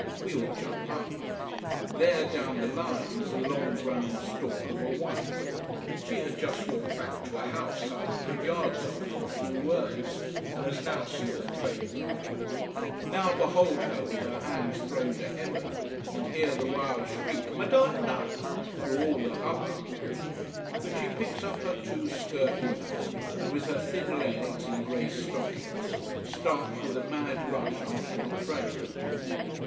We all jump up. There, down the line, is the long brown stork of a wife. She had just walked back to a house some hundred yards off, for a few words, and has now seen the train moving. Now behold her with her hands thrown to heaven, and hear the wild shriek "Madonna!" through all the hubbub. But she picks up her two skirt knees, and with her thin legs in grey stockings starts with a mad rush after the train.